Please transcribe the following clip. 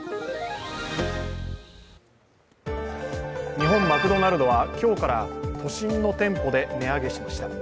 日本マクドナルドは今日から都心の店舗で値上げしました。